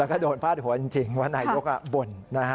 แล้วก็โดนพาดหัวจริงว่านายกบ่น